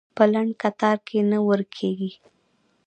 په لنډ کتار کې نه ورکېږي.